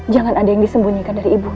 jangan ada yang disembunyikan dari ibu nda